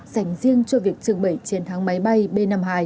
dành riêng cho việc trưng bày chiến thắng máy bay b năm mươi hai